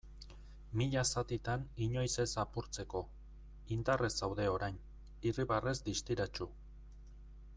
Mila zatitan inoiz ez apurtzeko, indarrez zaude orain, irribarrez distiratsu.